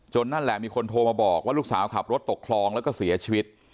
นั่นแหละมีคนโทรมาบอกว่าลูกสาวขับรถตกคลองแล้วก็เสียชีวิต